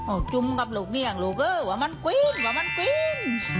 โอ้จุ้มปับลูกเนี่ยลูกเอ้ยว่ามันกวีนว่ามันกวีน